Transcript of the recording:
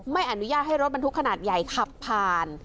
ไม่อนุญาตให้รถบรรทุกขนาดใหญ่ขับผ่าน